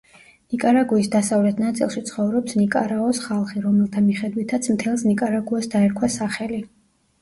ნიკარაგუის დასავლეთ ნაწილში ცხოვრობს ნიკარაოს ხალხი, რომელთა მიხედვითაც მთელს ნიკარაგუას დაერქვა სახელი.